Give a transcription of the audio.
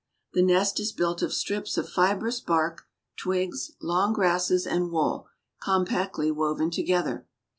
The nest is built of strips of fibrous bark, twigs, long grasses and wool, compactly woven together.